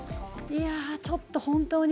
いや、ちょっと、本当に。